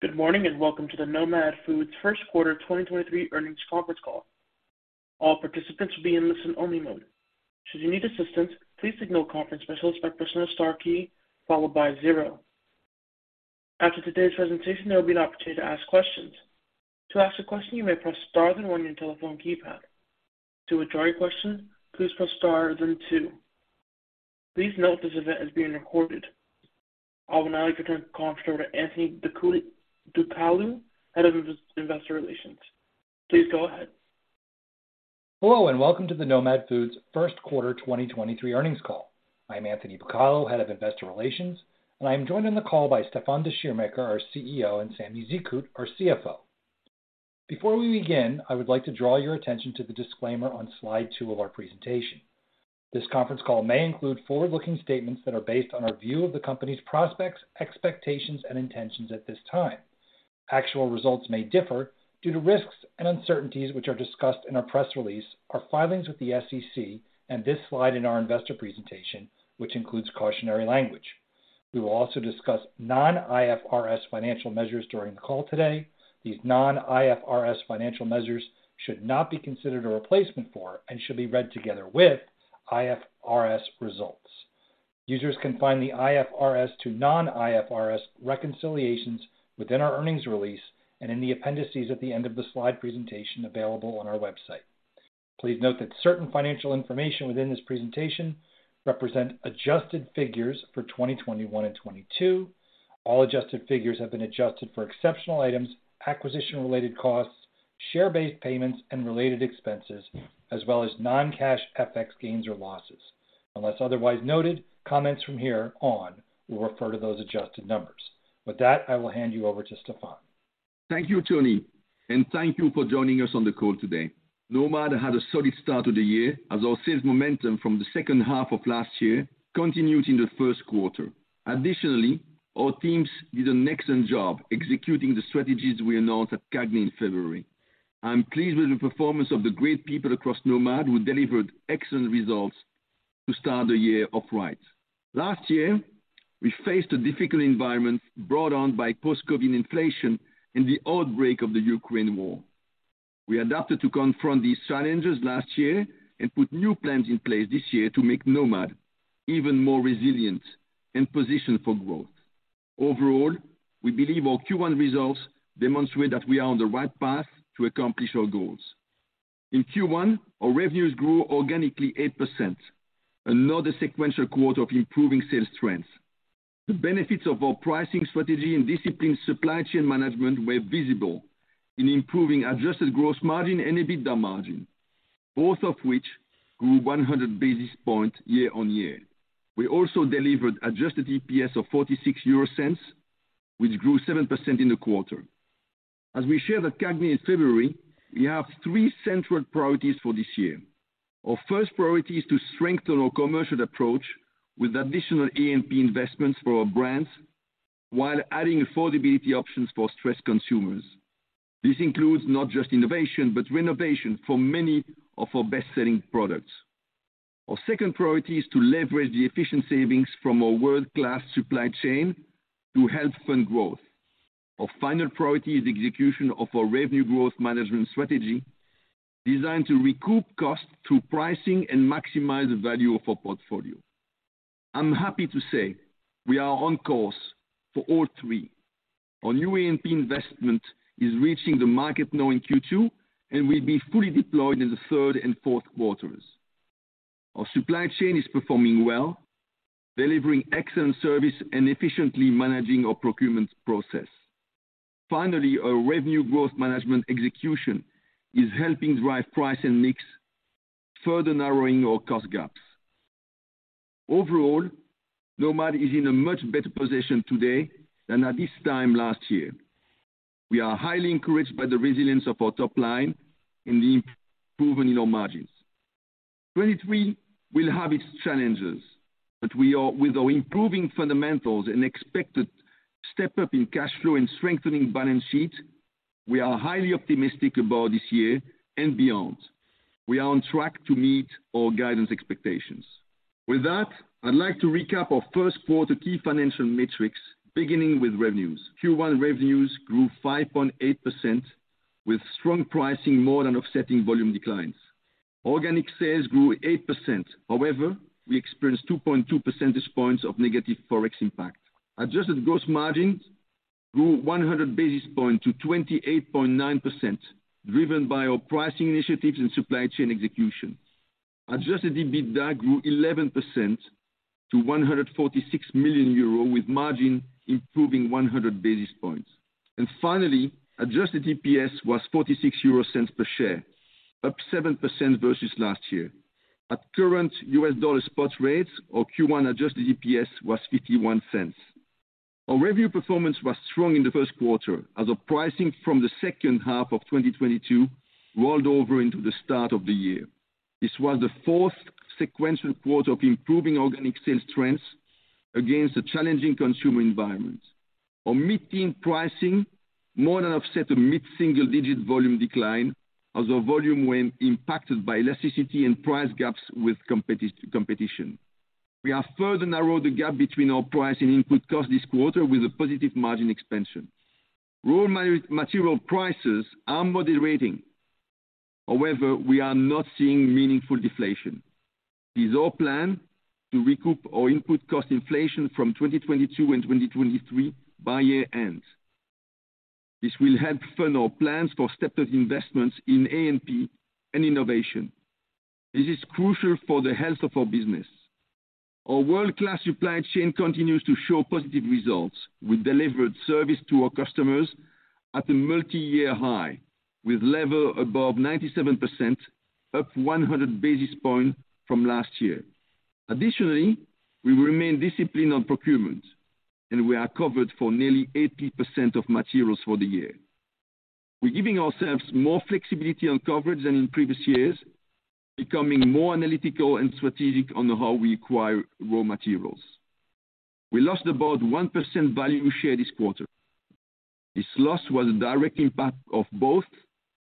Good morning. Welcome to the Nomad Foods first quarter 2023 earnings conference call. All participants will be in listen-only mode. Should you need assistance, please signal conference specialists by pressing the star key followed by 0. After today's presentation, there'll be an opportunity to ask questions. To ask a question, you may press star then 1 on your telephone keypad. To withdraw your question, please press star then 2. Please note this event is being recorded. I will now return the conference over to Anthony Bucalo, Head of Investor Relations. Please go ahead. Hello, welcome to the Nomad Foods first quarter 2023 earnings call. I'm Anthony Bucalo, Head of Investor Relations, and I am joined on the call by Stefan Descheemaeker, our CEO, and Samy Zekhout, our CFO. Before we begin, I would like to draw your attention to the disclaimer on slide 2 of our presentation. This conference call may include forward-looking statements that are based on our view of the company's prospects, expectations, and intentions at this time. Actual results may differ due to risks and uncertainties which are discussed in our press release, our filings with the SEC, and this slide in our investor presentation, which includes cautionary language. We will also discuss non-IFRS financial measures during the call today. These non-IFRS financial measures should not be considered a replacement for and should be read together with IFRS results. Users can find the IFRS to non-IFRS reconciliations within our earnings release and in the appendices at the end of the slide presentation available on our website. Please note that certain financial information within this presentation represent adjusted figures for 2021 and 2022. All adjusted figures have been adjusted for exceptional items, acquisition-related costs, share-based payments and related expenses, as well as non-cash FX gains or losses. Unless otherwise noted, comments from here on will refer to those adjusted numbers. With that, I will hand you over to Stefan. Thank you, Tony. Thank you for joining us on the call today. Nomad had a solid start to the year as our sales momentum from the second half of last year continued in the first quarter. Additionally, our teams did an excellent job executing the strategies we announced at CAGNY in February. I'm pleased with the performance of the great people across Nomad who delivered excellent results to start the year off right. Last year, we faced a difficult environment brought on by post-COVID inflation and the outbreak of the Ukraine war. We adapted to confront these challenges last year and put new plans in place this year to make Nomad even more resilient and positioned for growth. Overall, we believe our Q1 results demonstrate that we are on the right path to accomplish our goals. In Q1, our revenues grew organically 8%. Another sequential quarter of improving sales trends. The benefits of our pricing strategy and disciplined supply chain management were visible in improving adjusted gross margin and EBITDA margin, both of which grew 100 basis points year-over-year. We also delivered adjusted EPS of 0.46, which grew 7% in the quarter. As we shared at CAGNY in February, we have three central priorities for this year. Our first priority is to strengthen our commercial approach with additional A&P investments for our brands while adding affordability options for stressed consumers. This includes not just innovation, but renovation for many of our best-selling products. Our second priority is to leverage the efficient savings from our world-class supply chain to help fund growth. Our final priority is execution of our revenue growth management strategy designed to recoup costs through pricing and maximize the value of our portfolio. I'm happy to say we are on course for all three. Our new A&P investment is reaching the market now in Q2 and will be fully deployed in the third and fourth quarters. Our supply chain is performing well, delivering excellent service and efficiently managing our procurement process. Finally, our revenue growth management execution is helping drive price and mix, further narrowing our cost gaps. Overall, Nomad is in a much better position today than at this time last year. We are highly encouraged by the resilience of our top line and the improvement in our margins. 23 will have its challenges, but with our improving fundamentals and expected step-up in cash flow and strengthening balance sheet, we are highly optimistic about this year and beyond. We are on track to meet our guidance expectations. With that, I'd like to recap our first quarter key financial metrics, beginning with revenues. Q1 revenues grew 5.8% with strong pricing more than offsetting volume declines. Organic sales grew 8%. However, we experienced 2.2 percentage points of negative Forex impact. Adjusted gross margins grew 100 basis points to 28.9%, driven by our pricing initiatives and supply chain execution. Adjusted EBITDA grew 11% to 146 million euro, with margin improving 100 basis points. Finally, adjusted EPS was 0.46 per share, up 7% versus last year. At current US dollar spot rates, our Q1 adjusted EPS was $0.51. Our revenue performance was strong in the first quarter as our pricing from the second half of 2022 rolled over into the start of the year. This was the fourth sequential quarter of improving organic sales trends against a challenging consumer environment. Our mid-tier pricing more than offset a mid-single-digit volume decline as our volume went impacted by elasticity and price gaps with competition. We have further narrowed the gap between our price and input cost this quarter with a positive margin expansion. Raw material prices are moderating. We are not seeing meaningful deflation. It is our plan to recoup our input cost inflation from 2022 and 2023 by year-end. This will help fund our plans for stepped up investments in A&P and innovation. This is crucial for the health of our business. Our world-class supply chain continues to show positive results. We delivered service to our customers at a multiyear high, with level above 97%, up 100 basis points from last year. Additionally, we remain disciplined on procurement, and we are covered for nearly 80% of materials for the year. We're giving ourselves more flexibility on coverage than in previous years, becoming more analytical and strategic on how we acquire raw materials. We lost about 1% value share this quarter. This loss was a direct impact of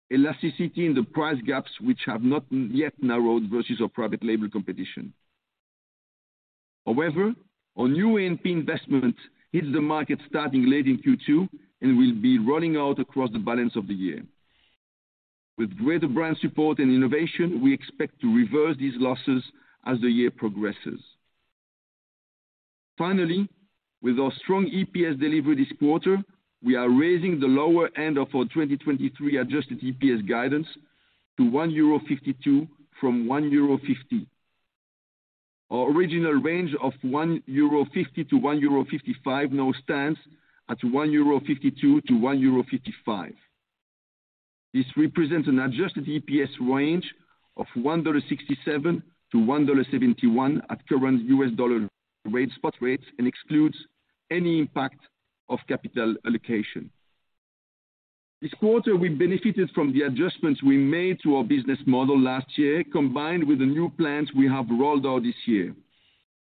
both elasticity in the price gaps, which have not yet narrowed versus our private label competition. However, our new A&P investment hits the market starting late in Q2 and will be rolling out across the balance of the year. With greater brand support and innovation, we expect to reverse these losses as the year progresses. Finally, with our strong EPS delivery this quarter, we are raising the lower end of our 2023 adjusted EPS guidance to 1.52 euro from 1.50 euro. Our original range of 1.50-1.55 euro now stands at 1.52-1.55 euro. This represents an adjusted EPS range of $1.67-$1.71 at current US dollar spot rates and excludes any impact of capital allocation. This quarter, we benefited from the adjustments we made to our business model last year, combined with the new plans we have rolled out this year.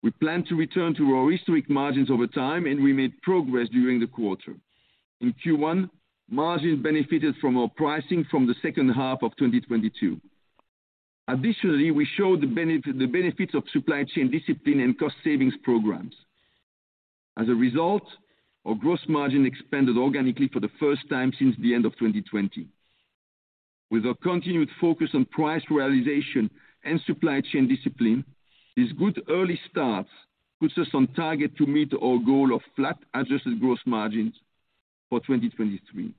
We plan to return to our historic margins over time, and we made progress during the quarter. In Q1, margins benefited from our pricing from the second half of 2022. Additionally, we showed the benefits of supply chain discipline and cost savings programs. As a result, our gross margin expanded organically for the first time since the end of 2020. With our continued focus on price realization and supply chain discipline, this good early start puts us on target to meet our goal of flat adjusted gross margins for 2023.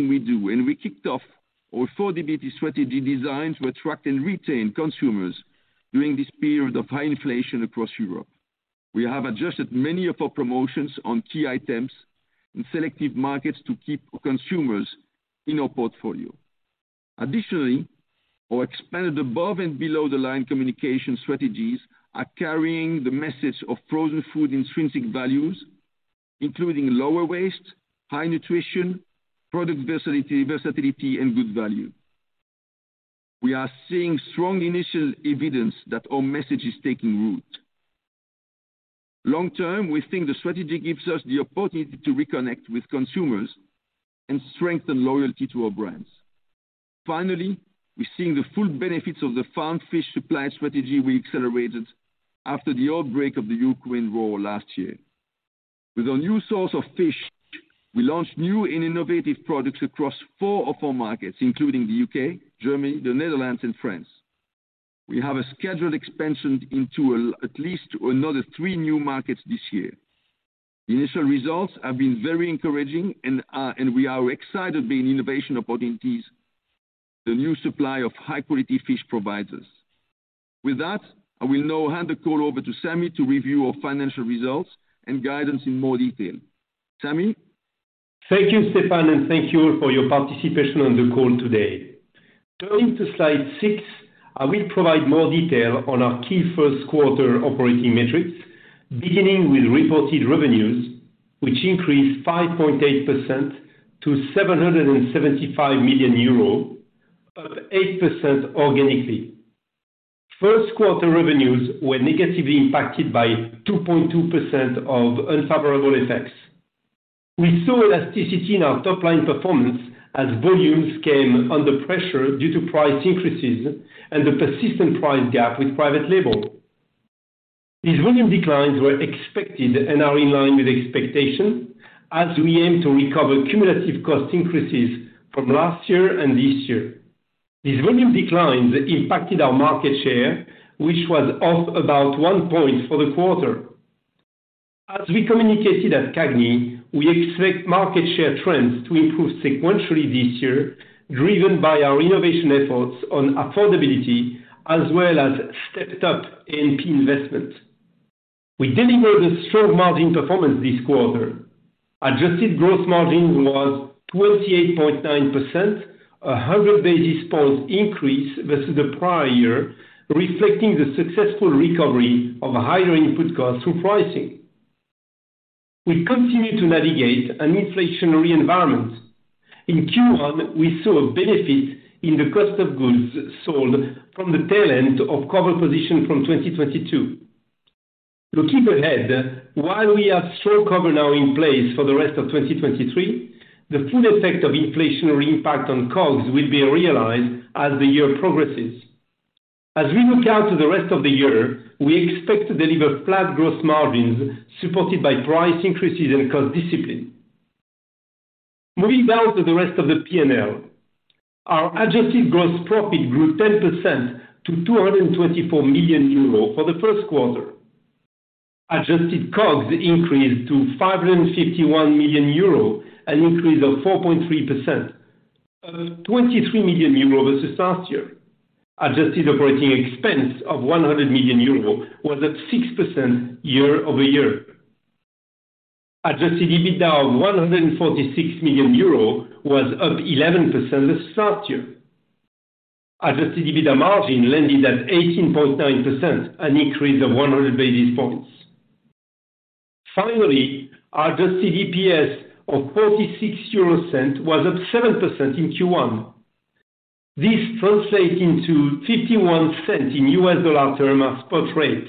We kicked off our affordability strategy design to attract and retain consumers during this period of high inflation across Europe. We have adjusted many of our promotions on key items in selective markets to keep consumers in our portfolio. Additionally, our expanded above and below the line communication strategies are carrying the message of frozen food intrinsic values, including lower waste, high nutrition, product versatility, and good value. We are seeing strong initial evidence that our message is taking root. Long term, we think the strategy gives us the opportunity to reconnect with consumers and strengthen loyalty to our brands. Finally, we're seeing the full benefits of the farmed fish supply strategy we accelerated after the outbreak of the Ukraine war last year. With our new source of fish, we launched new and innovative products across four of our markets, including the U.K., Germany, the Netherlands, and France. We have a scheduled expansion into at least another three new markets this year. The initial results have been very encouraging and we are excited by innovation opportunities the new supply of high-quality fish provides us. With that, I will now hand the call over to Samy to review our financial results and guidance in more detail. Samy? Thank you, Stefan As we communicated at CAGNY, we expect market share trends to improve sequentially this year, driven by our innovation efforts on affordability as well as stepped-up A&P investment. We delivered a strong margin performance this quarter. Adjusted gross margin was 28.9%, 100 basis points increase versus the prior year, reflecting the successful recovery of higher input costs through pricing. We continue to navigate an inflationary environment. In Q1, we saw a benefit in the cost of goods sold from the tail end of cover position from 2022. To keep ahead, while we have strong cover now in place for the rest of 2023, the full effect of inflationary impact on COGS will be realized as the year progresses. As we look out to the rest of the year, we expect to deliver flat gross margins supported by price increases and cost discipline. Moving down to the rest of the PNL. Our adjusted gross profit grew 10% to 224 million euro for the 1st quarter. Adjusted COGS increased to 551 million euro, an increase of 4.3%, 23 million euro versus last year. Adjusted operating expense of 100 million euro was up 6% year-over-year. Adjusted EBITDA of 146 million euro was up 11% versus last year. Adjusted EBITDA margin landed at 18.9%, an increase of 100 basis points. Finally, adjusted EPS of EUR 0.46 was up 7% in Q1. This translates into $0.51 in US dollar term at spot rate.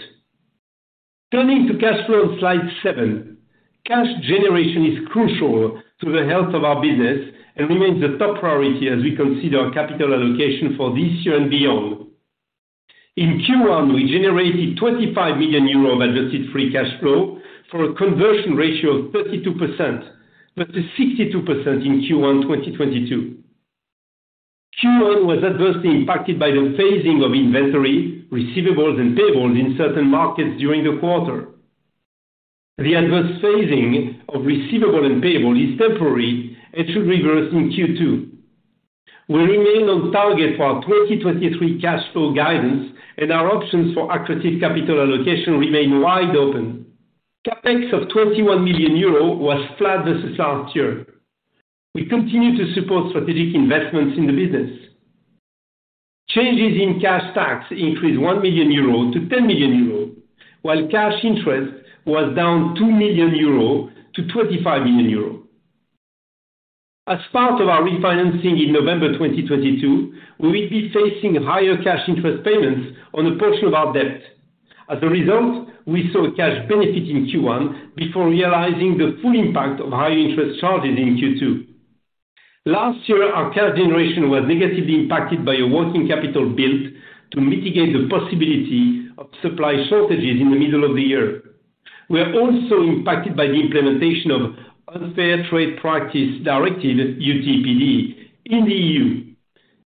Turning to cash flow on slide 7. Cash generation is crucial to the health of our business and remains the top priority as we consider capital allocation for this year and beyond. In Q1, we generated 25 million euros of adjusted free cash flow for a conversion ratio of 32%, versus 62% in Q1, 2022. Q1 was adversely impacted by the phasing of inventory, receivables and payables in certain markets during the quarter. The adverse phasing of receivable and payable is temporary and should reverse in Q2. We remain on target for our 2023 cash flow guidance and our options for accredited capital allocation remain wide open. CapEx of 21 million euros was flat versus last year. We continue to support strategic investments in the business. Changes in cash tax increased 1 million euro to 10 million euro, while cash interest was down 2 million euro to 25 million euro. As part of our refinancing in November 2022, we will be facing higher cash interest payments on a portion of our debt. As a result, we saw a cash benefit in Q1 before realizing the full impact of higher interest charges in Q2. Last year, our cash generation was negatively impacted by a working capital build to mitigate the possibility of supply shortages in the middle of the year. We are also impacted by the implementation of Unfair Trading Practices Directive, UTPD in the EU.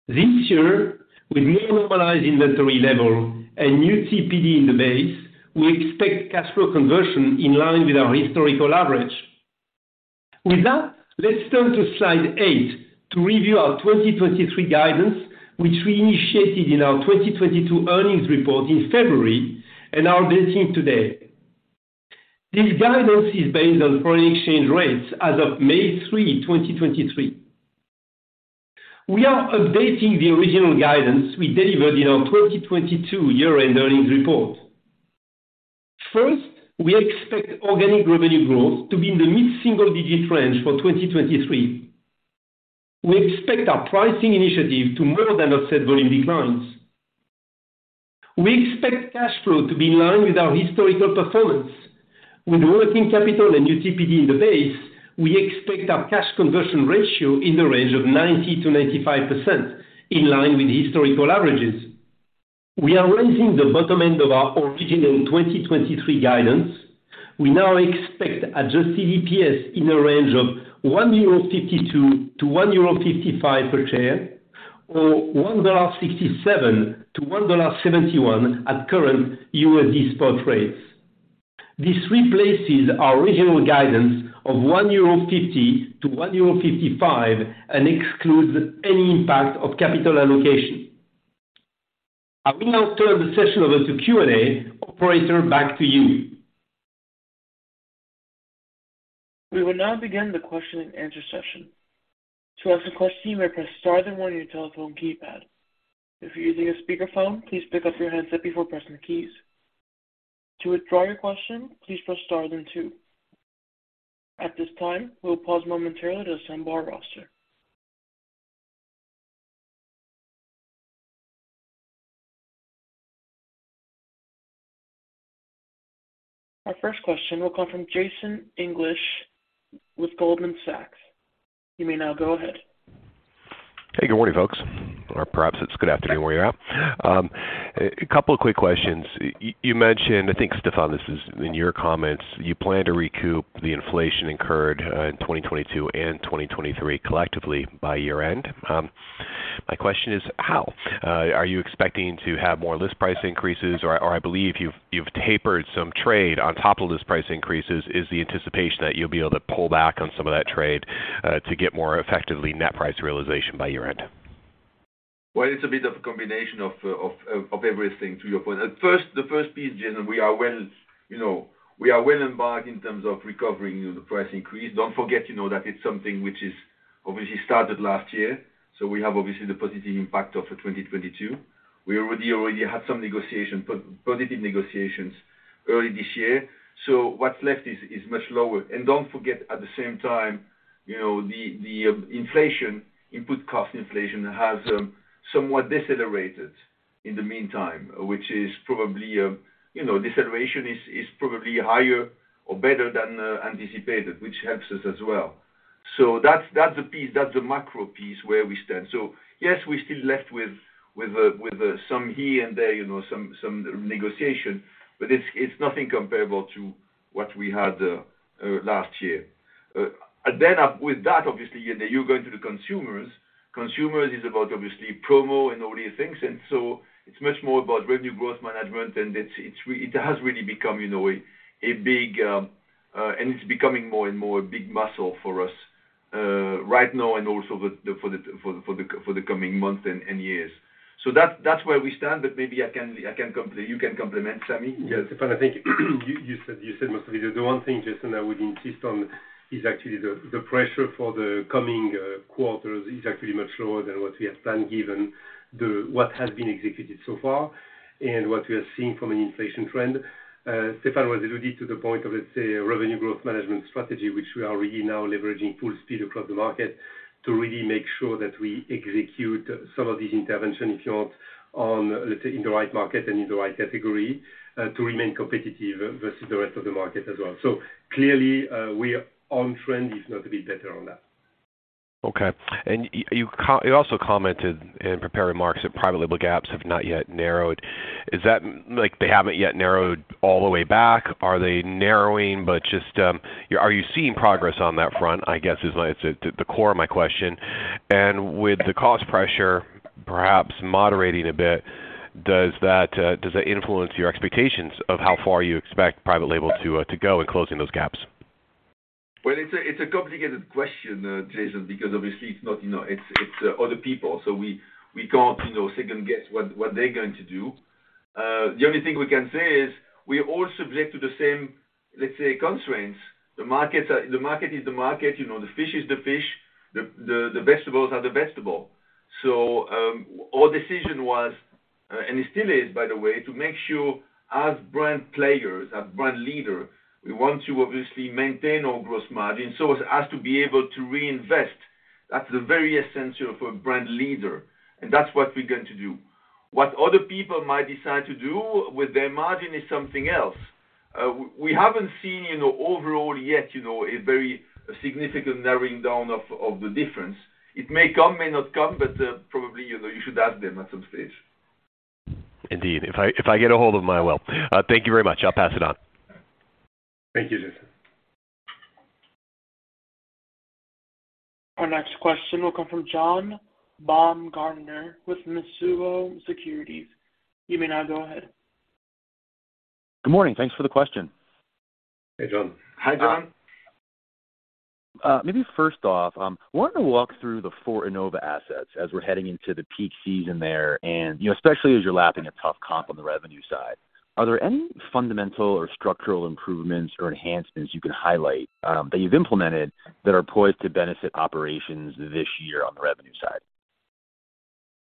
This year, with more normalized inventory level and UTPD in the base, we expect cash flow conversion in line with our historical average. With that, let's turn to slide 8 to review our 2023 guidance, which we initiated in our 2022 earnings report in February and are updating today. This guidance is based on foreign exchange rates as of May 3rd, 2023. We are updating the original guidance we delivered in our 2022 year-end earnings report. First, we expect organic revenue growth to be in the mid-single digit range for 2023. We expect our pricing initiative to more than offset volume declines. We expect cash flow to be in line with our historical performance. With working capital and UTPD in the base, we expect our cash conversion ratio in the range of 90%-95% in line with historical averages. We are raising the bottom end of our original 2023 guidance. We now expect adjusted EPS in the range of 1.52-1.55 euro per share, or $1.67-$1.70 at current USD spot rates. This replaces our original guidance of 1.50-1.55 euro and excludes any impact of capital allocation. I will now turn the session over to Q&A. Operator, back to you. We will now begin the question and answer session. To ask a question, you may press star then one on your telephone keypad. If you're using a speaker phone, please pick up your handset before pressing keys. To withdraw your question, please press star then two. At this time, we'll pause momentarily to assemble our roster. Our first question will come from Jason English with Goldman Sachs. You may now go ahead. Hey, good morning, folks. Or perhaps it's good afternoon where you're at. A couple of quick questions. You mentioned, I think, Stefan, this is in your comments, you plan to recoup the inflation incurred in 2022 and 2023 collectively by year-end. My question is how? Are you expecting to have more list price increases or I believe you've tapered some trade on top of list price increases. Is the anticipation that you'll be able to pull back on some of that trade to get more effectively net price realization by year-end? Well, it's a bit of a combination of everything to your point. At first, the first piece, Jason, we are well, you know, we are well embarked in terms of recovering the price increase. Don't forget, you know, that it's something which is obviously started last year. We have obviously the positive impact of 2022. We already had some positive negotiations early this year. What's left is much lower. Don't forget, at the same time, you know, the inflation, input cost inflation has somewhat decelerated in the meantime, which is probably, you know, deceleration is probably higher or better than anticipated, which helps us as well. That's the piece, that's the macro piece where we stand. Yes, we're still left with some here and there, you know, some negotiation, but it's nothing comparable to what we had last year. Up with that, obviously, then you go into the consumers. Consumers is about obviously promo and all these things. It's much more about revenue growth management, and it has really become, you know, a big... It's becoming more and more a big muscle for us, right now and also the for the coming months and years. That's where we stand, but maybe you can compliment, Sammy. Yeah. Stefan, I think you said most of it. The one thing, Jason, I would insist on is actually the pressure for the coming quarters is actually much lower than what we had planned, given the, what has been executed so far and what we are seeing from an inflation trend. Stefan was alluded to the point of, let's say, a revenue growth management strategy, which we are really now leveraging full speed across the market to really make sure that we execute some of these intervention, if you want, on, let's say, in the right market and in the right category, to remain competitive versus the rest of the market as well. Clearly, we are on trend, if not a bit better on that. Okay. You also commented in prepared remarks that private label gaps have not yet narrowed. Is that, like, they haven't yet narrowed all the way back? Are they narrowing, but just... Are you seeing progress on that front, I guess, is my... It's the core of my question. With the cost pressure perhaps moderating a bit, does that influence your expectations of how far you expect private label to go in closing those gaps? It's a complicated question, Jason, because obviously it's not, you know, it's other people, so we can't, you know, second-guess what they're going to do. The only thing we can say is we're all subject to the same, let's say, constraints. The market is the market. You know, the fish is the fish, the vegetables are the vegetable. Our decision was, and it still is, by the way, to make sure as brand players, as brand leader, we want to obviously maintain our gross margin, so as to be able to reinvest. That's the very essence of a brand leader, and that's what we're going to do. What other people might decide to do with their margin is something else. we haven't seen, you know, overall yet, you know, a very significant narrowing down of the difference. It may come, may not come, but, probably, you know, you should ask them at some stage. Indeed. If I get a hold of them, I will. Thank you very much. I'll pass it on. Thank you, Jason. Our next question will come from John Baumgartner with Mizuho Securities. You may now go ahead. Good morning. Thanks for the question. Hey, John. Hi, John. Maybe first off, wanted to walk through the four Fortenova assets as we're heading into the peak season there and, you know, especially as you're lapping a tough comp on the revenue side. Are there any fundamental or structural improvements or enhancements you can highlight that you've implemented that are poised to benefit operations this year on the revenue side?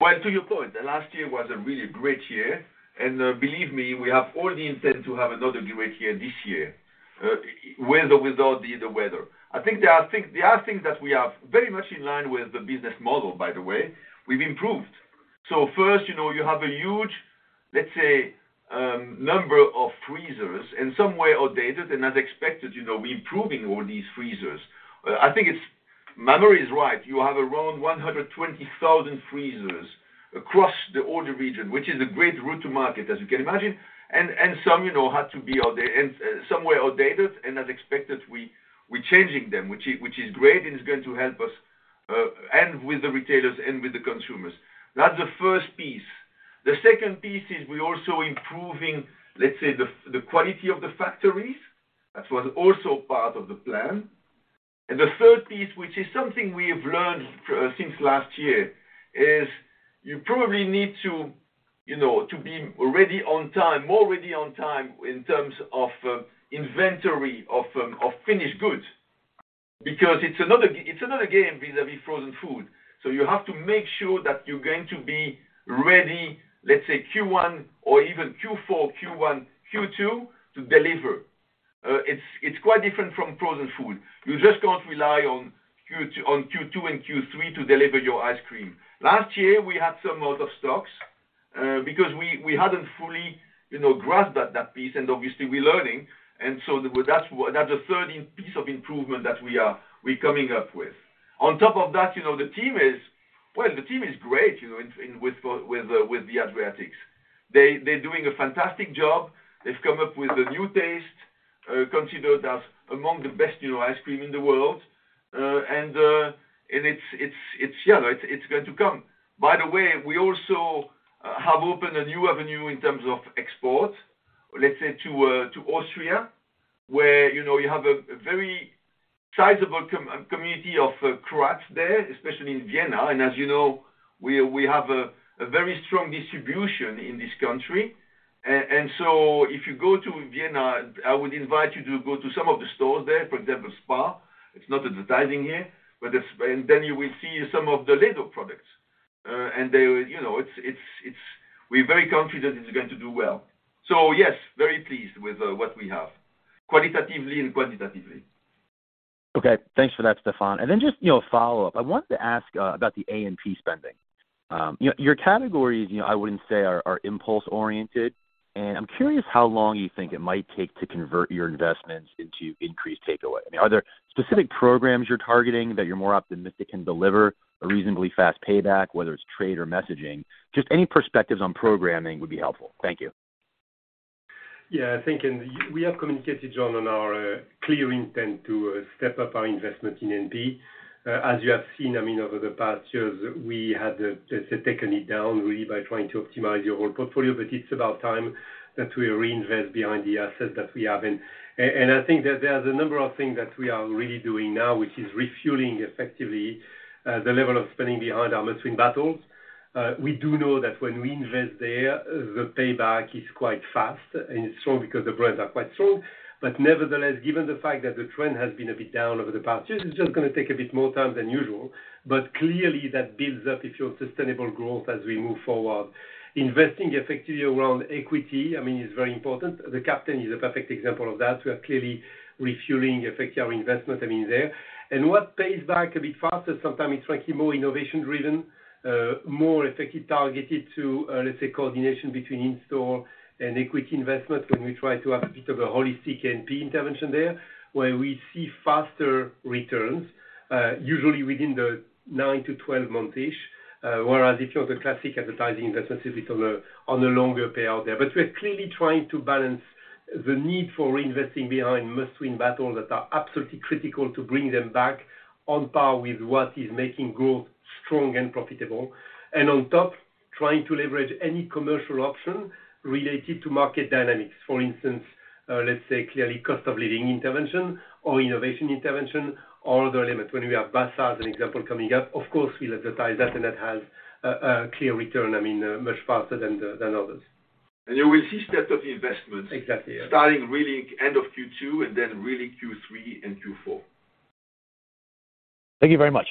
Well, to your point, the last year was a really great year, and believe me, we have all the intent to have another great year this year, with or without the weather. I think there are things that we are very much in line with the business model, by the way. We've improved. First, you know, you have a huge, let's say, number of freezers, in some way outdated. As expected, you know, we're improving all these freezers. I think it's... Memory is right. You have around 100,000 freezers across the older region, which is a great route to market, as you can imagine. Some, you know, had to be outda- and some were outdated, and as expected, we're changing them, which is great and it's going to help us with the retailers and with the consumers. That's the first piece. The second piece is we're also improving, let's say, the quality of the factories. That was also part of the plan. The third piece, which is something we have learned since last year, is you probably need to, you know, to be ready on time, more ready on time in terms of inventory of finished goods because it's another game vis-a-vis frozen food. You have to make sure that you're going to be ready, let's say Q1 or even Q4, Q1, Q2, to deliver. It's quite different from frozen food. You just can't rely on Q2 and Q3 to deliver your ice cream. Last year, we had some out of stocks because we hadn't fully, you know, grasped that piece and obviously we're learning. That's a third piece of improvement that we're coming up with. On top of that, you know, Well, the team is great, you know, in, with the Adriatics. They're doing a fantastic job. They've come up with a new taste, considered as among the best, you know, ice cream in the world. And it's going to come. By the way, we also have opened a new avenue in terms of export, let's say to Austria, where, you know, you have a very sizable community of Croats there, especially in Vienna. As you know, we have a very strong distribution in this country. So if you go to Vienna, I would invite you to go to some of the stores there, for example, Spar. It's not advertising here, but it's. Then you will see some of the Ledo products. They, you know, it's. We're very confident it's going to do well. Yes, very pleased with what we have, qualitatively and quantitatively. Okay. Thanks for that, Stefan Yeah, I think and we have communicated, John, on our clear intent to step up our investment in A&P. As you have seen, I mean, over the past years, we had, let's say, taken it down really by trying to optimize the whole portfolio, but it's about time that we reinvest behind the assets that we have. I think that there's a number of things that we are really doing now, which is refueling effectively the level of spending behind our must-win battles. We do know that when we invest there, the payback is quite fast and strong because the brands are quite strong. Nevertheless, given the fact that the trend has been a bit down over the past years, it's just gonna take a bit more time than usual. Clearly that builds up if your sustainable growth as we move forward. Investing effectively around equity, I mean, is very important. The Captain is a perfect example of that. We are clearly refueling effectively our investment, I mean, there. What pays back a bit faster sometimes is frankly more innovation driven, more effectively targeted to, let's say, coordination between in-store and equity investment when we try to have a bit of a holistic A&P intervention there, where we see faster returns, usually within the 9-12 month-ish, whereas if you're the classic advertising investment, it's a bit on a longer payout there. We're clearly trying to balance the need for reinvesting behind must-win battles that are absolutely critical to bring them back on par with what is making growth strong and profitable. On top, trying to leverage any commercial option related to market dynamics. For instance, let's say clearly cost of living intervention or innovation intervention or other limits. When we have Basa as an example coming up, of course we'll advertise that, and that has a clear return, I mean, much faster than the, than others. You will see step of the investments. Exactly, yeah. starting really end of Q2 and then really Q3 and Q4. Thank you very much.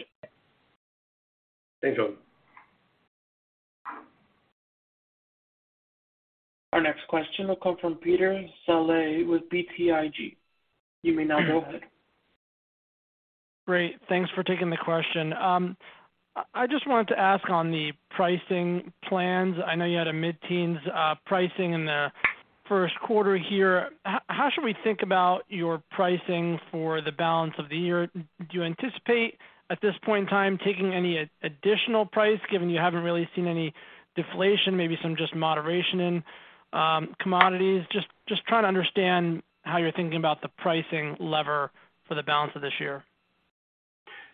Thanks, John. Our next question will come from Peter Saleh with BTIG. You may now go ahead. Great. Thanks for taking the question. I just wanted to ask on the pricing plans. I know you had a mid-teens pricing in the first quarter here. How should we think about your pricing for the balance of the year? Do you anticipate at this point in time taking any additional price, given you haven't really seen any deflation, maybe some just moderation in commodities? Just trying to understand how you're thinking about the pricing lever for the balance of this year.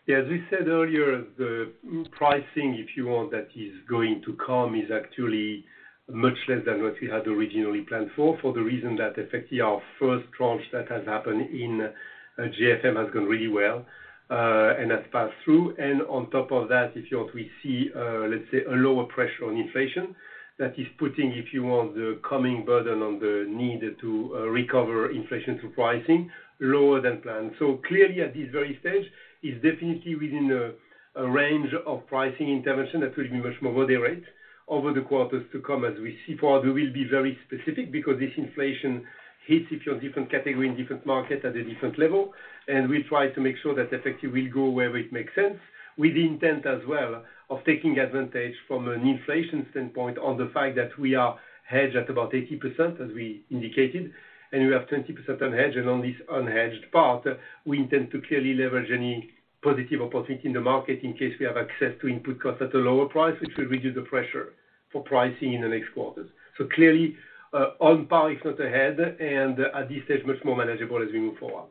Yeah, as we said earlier, the pricing, if you want, that is going to come is actually much less than what we had originally planned for the reason that effectively our first tranche that has happened in RGM has gone really well and has passed through. On top of that, if you want, we see, let's say, a lower pressure on inflation that is putting, if you want, the coming burden on the need to recover inflation through pricing lower than planned. Clearly at this very stage is definitely within a range of pricing intervention that will be much more moderate over the quarters to come. As we see far, we will be very specific because this inflation hits if you're different category in different market at a different level. We try to make sure that effectively we go where it makes sense with the intent as well of taking advantage from an inflation standpoint on the fact that we are hedged at about 80%, as we indicated, and we have 20% unhedged. On this unhedged part, we intend to clearly leverage any positive opportunity in the market in case we have access to input cost at a lower price, which will reduce the pressure for pricing in the next quarters. Clearly, on par if not ahead and at this stage much more manageable as we move forward.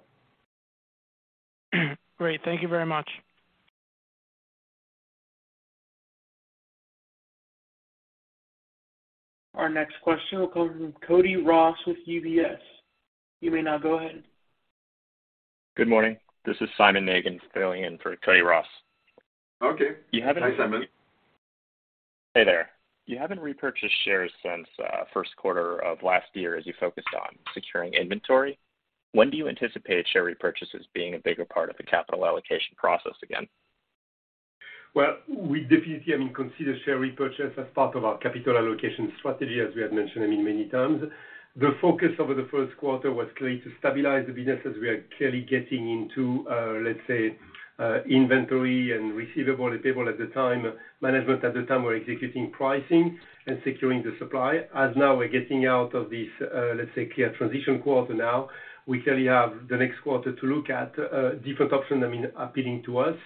Great. Thank you very much. Our next question will come from Cody Ross with UBS. You may now go ahead. Good morning. This is Simon Nageon filling in for Cody Ross. Okay. You haven't- Hi, Simon. Hey there. You haven't repurchased shares since, first quarter of last year as you focused on securing inventory. When do you anticipate share repurchases being a bigger part of the capital allocation process again? Well, we definitely, I mean, consider share repurchase as part of our capital allocation strategy, as we have mentioned, I mean, many times. The focus over the first quarter was clearly to stabilize the business as we are clearly getting into, let's say, inventory and receivable and payable at the time. Management at the time were executing pricing and securing the supply. As now we're getting out of this, let's say, clear transition quarter now, we clearly have the next quarter to look at, different options, I mean, appealing to us,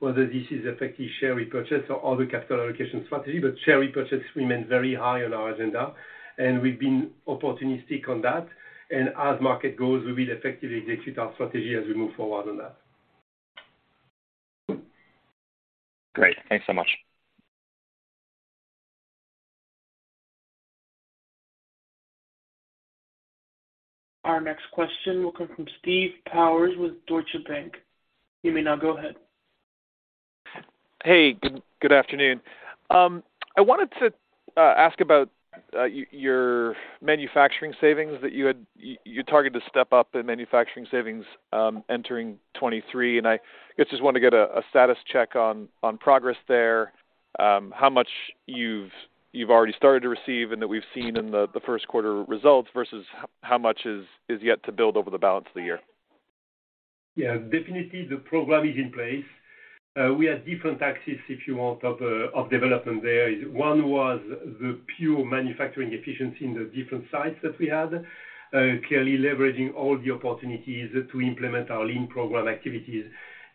whether this is effective share repurchase or other capital allocation strategy. Share repurchase remains very high on our agenda, and we've been opportunistic on that. As market goes, we will effectively execute our strategy as we move forward on that. Great. Thanks so much. Our next question will come from Steve Powers with Deutsche Bank. You may now go ahead. Hey, good afternoon. I wanted to ask about your manufacturing savings. You target to step up in manufacturing savings entering 2023, and I guess just want to get a status check on progress there, how much you've already started to receive and that we've seen in the first quarter results versus how much is yet to build over the balance of the year. Yeah. Definitely the program is in place. We have different axis, if you want, of development there. One was the pure manufacturing efficiency in the different sites that we had, clearly leveraging all the opportunities to implement our lean program activities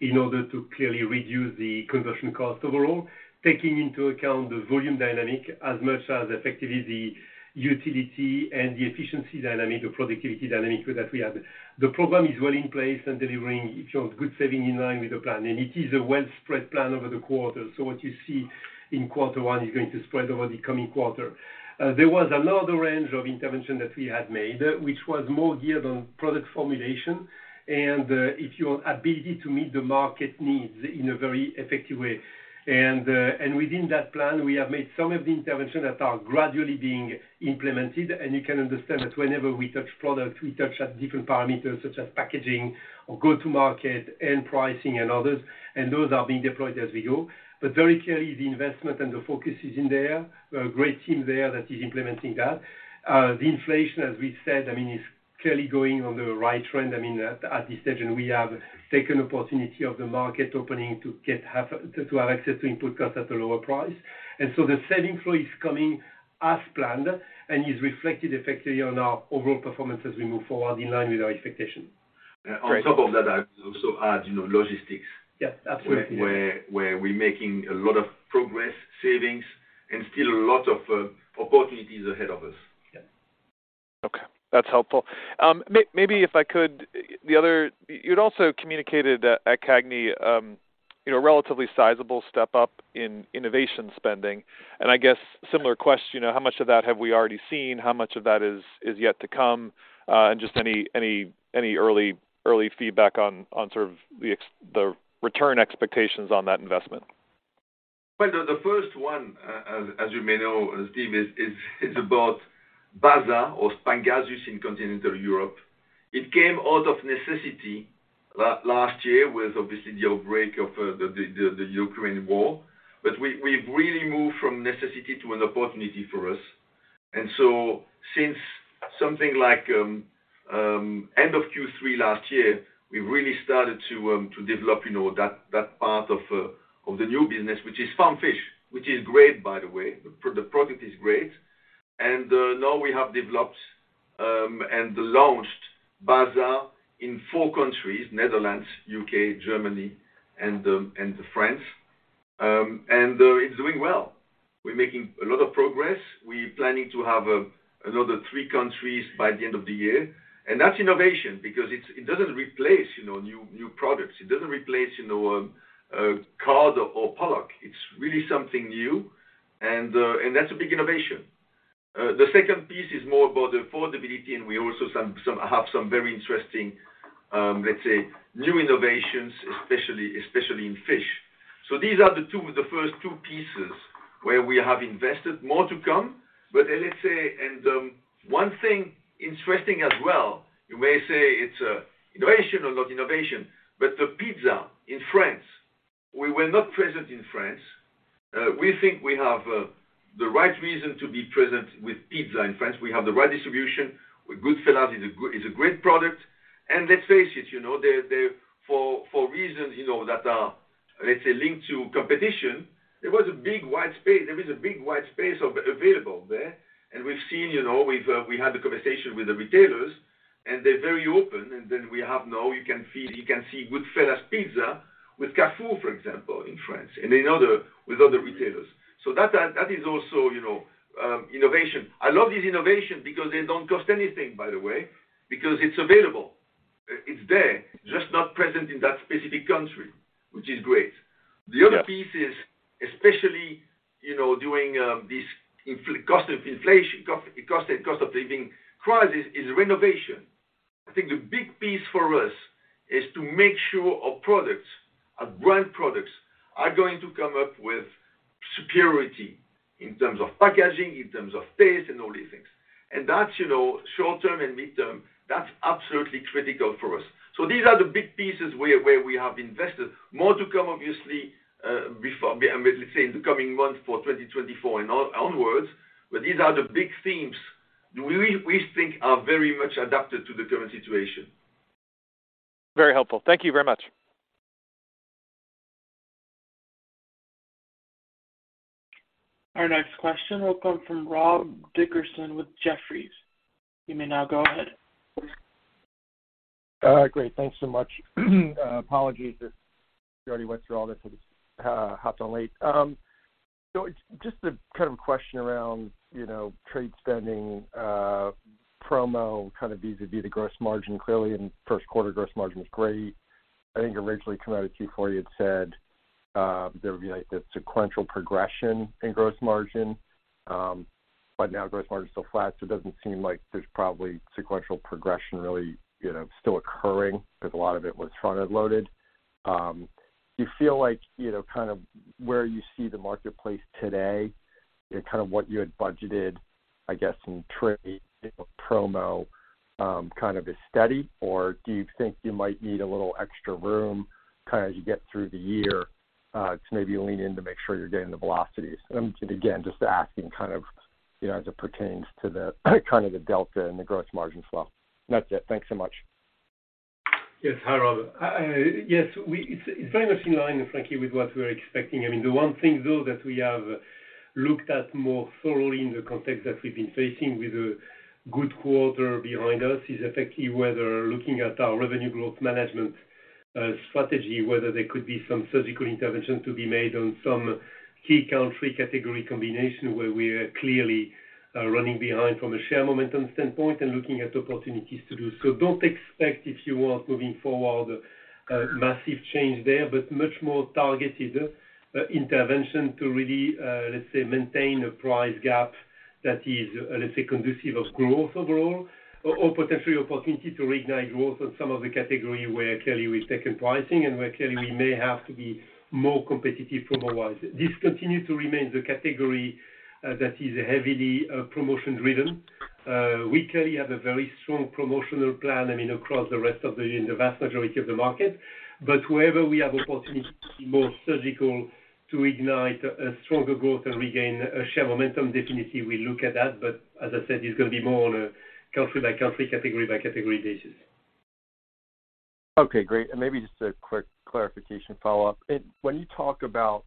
in order to clearly reduce the conversion cost overall, taking into account the volume dynamic as much as effectively the utility and the efficiency dynamic or productivity dynamic that we have. The program is well in place and delivering good saving in line with the plan. It is a well spread plan over the quarter. What you see in Q1 is going to spread over the coming quarter. There was another range of intervention that we had made, which was more geared on product formulation and if your ability to meet the market needs in a very effective way. Within that plan, we have made some of the interventions that are gradually being implemented. You can understand that whenever we touch products, we touch at different parameters such as packaging or go to market and pricing and others, and those are being deployed as we go. Very clearly, the investment and the focus is in there. A great team there that is implementing that. The inflation, as we said, I mean, is clearly going on the right trend. I mean, at this stage, and we have taken opportunity of the market opening to have access to input cost at a lower price. The selling flow is coming as planned and is reflected effectively on our overall performance as we move forward in line with our expectation. Great. On top of that, I also add, you know, logistics. Yes, absolutely. Where we're making a lot of progress, savings, and still a lot of opportunities ahead of us. Okay, that's helpful. Maybe if I could, the other... You'd also communicated at CAGNY, you know, relatively sizable step up in innovation spending. I guess similar question, how much of that have we already seen? How much of that is yet to come? Just any early feedback on sort of the return expectations on that investment. Well, the first one, as you may know, Steve, is about Basa or Pangasius in Continental Europe. It came out of necessity last year with obviously the outbreak of the Ukraine War. We've really moved from necessity to an opportunity for us. Since something like end of Q3 last year, we really started to develop, you know, that part of the new business, which is farm fish, which is great, by the way. The product is great. Now we have developed and launched Basa in four countries, Netherlands, UK, Germany, and France. It's doing well. We're making a lot of progress. We're planning to have another three countries by the end of the year. That's innovation because it doesn't replace, you know, new products. It doesn't replace, you know, cod or pollock. It's really something new, and that's a big innovation. The second piece is more about the affordability, and we also have some very interesting, let's say, new innovations, especially in fish. These are the first two pieces where we have invested. More to come. Let's say, and one thing interesting as well, you may say it's innovation or not innovation, but the pizza in France, we were not present in France. We think we have the right reason to be present with pizza in France. We have the right distribution. Goodfella's is a great product. Let's face it, you know, for reasons, you know, that are, let's say, linked to competition, there is a big wide space available there. We've seen, you know, we've, we had the conversation with the retailers, and they're very open. Then we have now you can feel, you can see Goodfella's Pizza with Carrefour, for example, in France, and with other retailers. That, that is also, you know, innovation. I love these innovations because they don't cost anything, by the way, because it's available. It's there, just not present in that specific country, which is great. The other piece is especially, you know, during this cost of inflation, cost of living crisis is renovation. I think the big piece for us is to make sure our products, our brand products, are going to come up with superiority in terms of packaging, in terms of taste and all these things. That's, you know, short-term and mid-term, that's absolutely critical for us. These are the big pieces where we have invested. More to come, obviously, before, let's say, in the coming months for 2024 and onwards. These are the big themes we think are very much adapted to the current situation. Very helpful. Thank you very much. Our next question will come from Rob Dickerson with Jefferies. You may now go ahead. Great. Thanks so much. Apologies if you already went through all this. Hopped on late. It's just a kind of question around, you know, trade spending, promo, kind of vis-à-vis the gross margin. Clearly, in first quarter, gross margin was great. I think originally coming out of Q4, you had said, there would be like a sequential progression in gross margin. Now gross margin is still flat, so it doesn't seem like there's probably sequential progression really, you know, still occurring because a lot of it was front-end loaded. Do you feel like, you know, kind of where you see the marketplace today and kind of what you had budgeted, I guess, in trade promo, kind of is steady? Or do you think you might need a little extra room kind of as you get through the year, to maybe lean in to make sure you're getting the velocities? Again, just asking kind of, you know, as it pertains to the, kind of the delta and the gross margin flow. That's it. Thanks so much. Yes. Hi, Rob. I, yes, it's very much in line, frankly, with what we were expecting. I mean, the one thing though that we have looked at more thoroughly in the context that we've been facing with a good quarter behind us is effectively whether looking at our Revenue Growth Management strategy, whether there could be some surgical intervention to be made on some key country category combination where we are clearly running behind from a share momentum standpoint and looking at opportunities to do so. Don't expect, if you want, moving forward a massive change there, but much more targeted intervention to really, let's say, maintain a price gap that is, let's say, conducive of growth overall or potentially opportunity to reignite growth on some of the category where clearly we've taken pricing and where clearly we may have to be more competitive promo-wise. This continues to remain the category, that is heavily, promotion-driven. We clearly have a very strong promotional plan, I mean, across the vast majority of the market. Wherever we have opportunity to be more surgical to ignite a stronger growth and regain, share momentum, definitely we look at that. As I said, it's gonna be more on a country-by-country, category-by-category basis. Okay, great. Maybe just a quick clarification follow-up. When you talk about,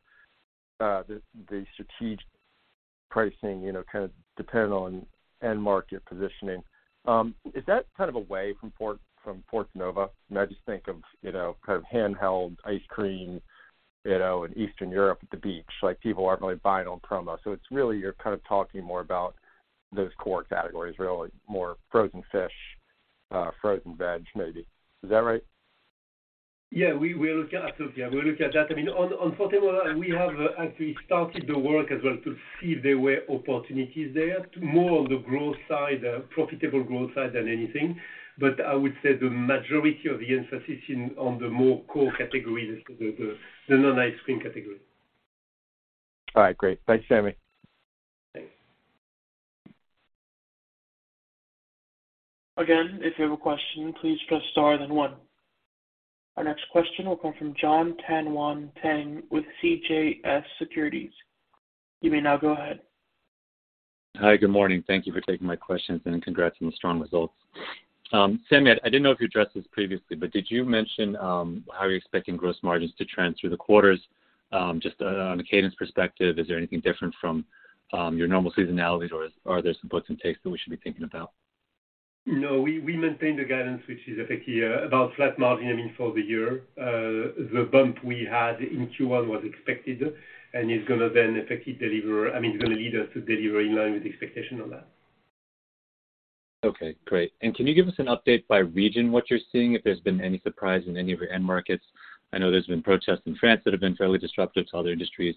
the strategic pricing, you know, kind of dependent on end market positioning, is that kind of away from Fortenova? I just think of, you know, kind of handheld ice cream, you know, in Eastern Europe at the beach. Like, people aren't really buying on promo. It's really you're kind of talking more about those core categories, really more frozen fish, frozen veg maybe. Is that right? Yeah, we're looking at that. I mean, on Fortenova, we have actually started the work as well to see if there were opportunities there to more on the growth side, profitable growth side than anything. I would say the majority of the emphasis in on the more core categories, the non-ice cream category. All right, great. Thanks, Sammy. Thanks. If you have a question, please press star then one. Our next question will come from Jon Tanwanteng with CJS Securities. You may now go ahead. Hi. Good morning. Thank you for taking my questions, and congrats on the strong results. Sammy, I didn't know if you addressed this previously, but did you mention how you're expecting gross margins to trend through the quarters, just on a cadence perspective, is there anything different from your normal seasonality or are there some puts and takes that we should be thinking about? No, we maintain the guidance, which is effectively about flat margin, I mean, for the year. The bump we had in Q1 was expected and is gonna then effectively deliver, I mean, it's gonna lead us to deliver in line with expectation on that. Okay, great. Can you give us an update by region, what you're seeing, if there's been any surprise in any of your end markets? I know there's been protests in France that have been fairly disruptive to other industries.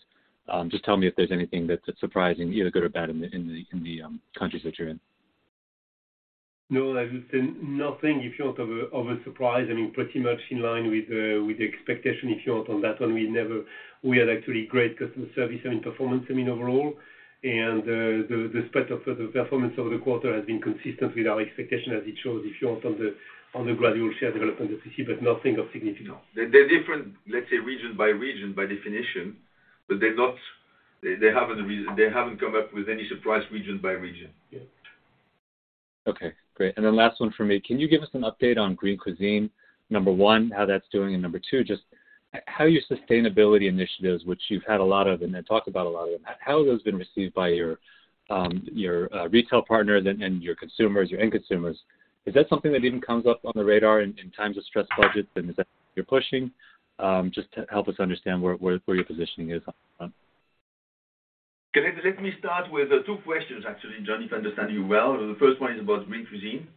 Just tell me if there's anything that's surprising, either good or bad in the countries that you're in. No, I would say nothing in short of a surprise. I mean, pretty much in line with the expectation if you want on that one. We had actually great customer service and performance, I mean, overall. The spread of the performance over the quarter has been consistent with our expectation as it shows if you want on the gradual share development that you see, but nothing of significance. They're different, let's say region by region by definition, but they're not. They haven't come up with any surprise region by region. Yeah. Okay, great. Then last one for me. Can you give us an update on Green Cuisine? Number one, how that's doing, and number two, just how your sustainability initiatives, which you've had a lot of and have talked about a lot of them, how have those been received by your retail partners and your consumers, your end consumers? Is that something that even comes up on the radar in times of stressed budgets and is that you're pushing? Just to help us understand where your positioning is on that front. Okay. Let me start with the two questions actually, John, if I understand you well. The first one is about Green Cuisine.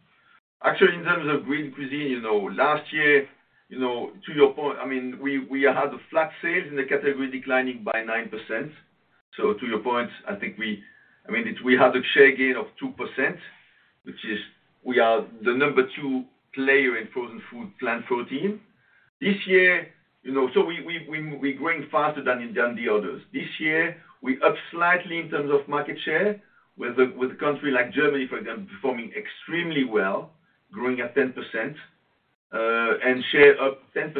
Actually, in terms of Green Cuisine, you know, last year, you know, to your point, I mean, we had the flat sales in the category declining by 9%. To your point, I think we had a share gain of 2%, which is we are the number two player in frozen food plant protein. This year, you know, we're growing faster than the others. This year, we're up slightly in terms of market share with a country like Germany, for example, performing extremely well, growing at 10%, and share up 10%.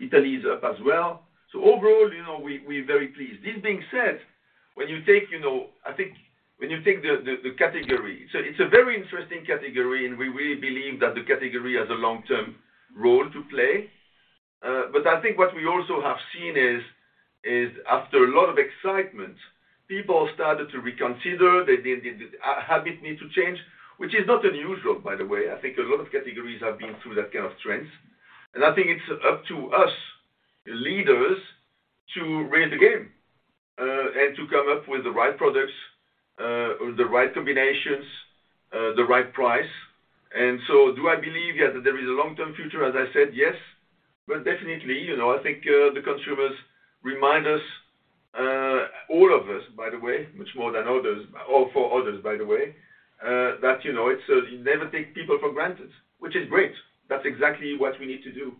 Italy is up as well. Overall, you know, we're very pleased. This being said, when you take, you know, I think when you take the, the category, so it's a very interesting category, and we really believe that the category has a long-term role to play. I think what we also have seen is after a lot of excitement, people started to reconsider. They Habit need to change, which is not unusual, by the way. I think a lot of categories have been through that kind of trends. I think it's up to us leaders to rein the game, and to come up with the right products, or the right combinations. The right price. Do I believe, yeah, that there is a long-term future, as I said? Yes. Definitely, you know, I think, the consumers remind us, all of us, by the way, much more than others or for others, by the way, that, you know, it's, you never take people for granted, which is great. That's exactly what we need to do.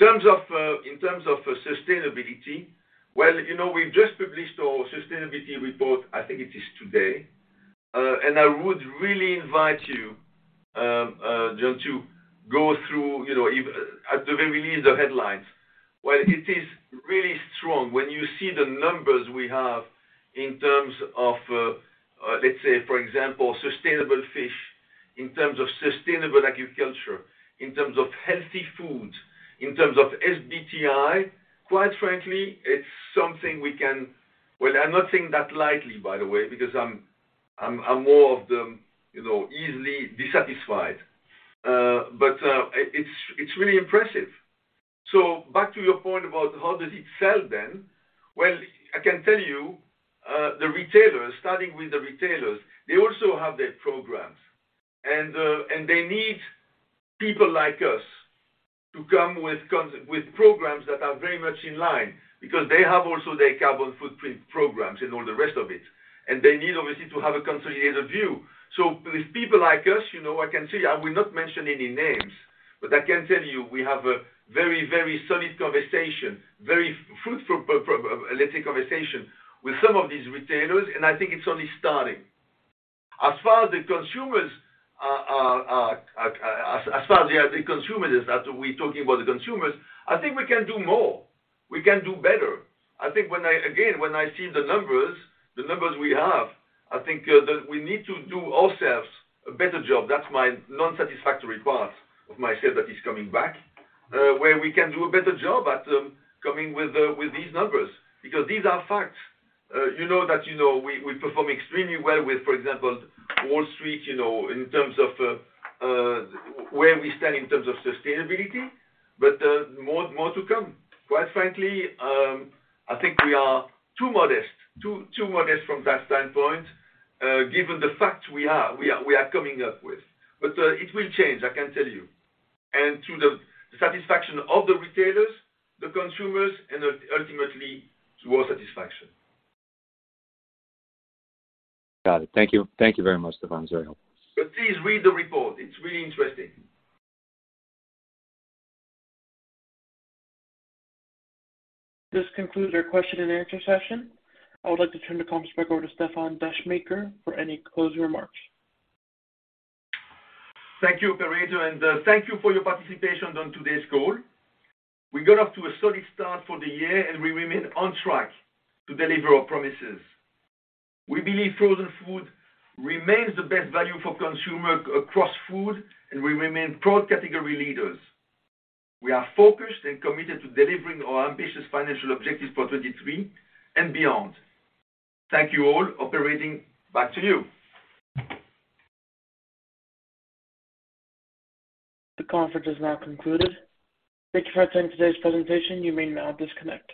In terms of sustainability, well, you know, we just published our sustainability report, I think it is today. I would really invite you, John, to go through, you know, even at the very least, the headlines. Well, it is really strong. When you see the numbers we have in terms of, let's say, for example, sustainable fish, in terms of sustainable agriculture, in terms of healthy food, in terms of SBTI, quite frankly, it's something we can... I'm not saying that lightly, by the way, because I'm more of the, you know, easily dissatisfied. It's really impressive. Back to your point about how does it sell then? I can tell you, the retailers, starting with the retailers, they also have their programs. They need people like us to come with programs that are very much in line because they have also their carbon footprint programs and all the rest of it. They need obviously to have a consolidated view. With people like us, you know, I can tell you, I will not mention any names, but I can tell you we have a very solid conversation, very fruitful, let's say conversation with some of these retailers, and I think it's only starting. As we're talking about the consumers, I think we can do more. We can do better. I think when I, again, when I see the numbers we have, I think, that we need to do ourselves a better job. That's my non-satisfactory part of myself that is coming back. where we can do a better job at coming with these numbers, because these are facts. you know that, you know, we perform extremely well with, for example, Wall Street, you know, in terms of where we stand in terms of sustainability, but more to come. Quite frankly, I think we are too modest from that standpoint, given the facts we are coming up with. It will change, I can tell you. To the satisfaction of the retailers, the consumers, and ultimately to our satisfaction. Got it. Thank you. Thank you very much, Stefan. It's very helpful. Please read the report. It's really interesting. This concludes our question and answer session. I would like to turn the conference back over to Stefan Descheemaeker for any closing remarks. Thank you, operator, and thank you for your participation on today's call. We got off to a solid start for the year, and we remain on track to deliver our promises. We believe frozen food remains the best value for consumer across food, and we remain proud category leaders. We are focused and committed to delivering our ambitious financial objectives for 23rd and beyond. Thank you all. Operator, back to you. The conference is now concluded. Thank you for attending today's presentation. You may now disconnect.